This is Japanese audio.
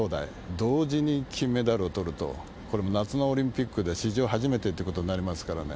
同時に金メダルをとると、これ、もう夏のオリンピックで史上初めてっていうことになりますからね。